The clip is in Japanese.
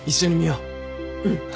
うん